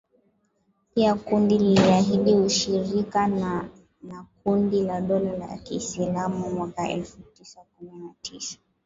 Pia kundi liliahidi ushirika na na kundi la dola ya Kiislamu mwaka elfu mbili kumi na tisa